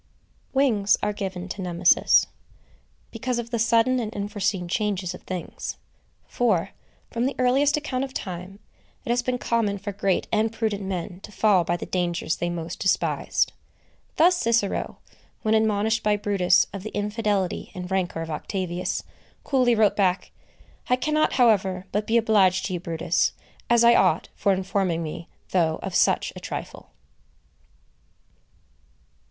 Wings are given to Nemesis, because of the sudden and unforeseen changes of things; for, from the earliest account of time, it has been common for great and prudent men to fall by the dangers they most despised. Thus Cicero, when admonished by Brutus of the infidelity and rancor of Octavius, coolly wrote back: "I cannot, however, but be obliged to you, Brutus, as I ought, for informing me, though of such a trifle."